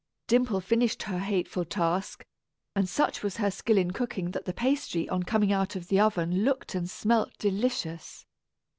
Dimple finished her hateful task, and such was her skill in cooking that the pastry on coming out of the oven looked and smelt delicious.